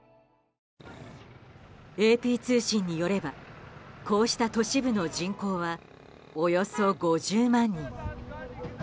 ＡＰ通信によればこうした都市部の人口はおよそ５０万人。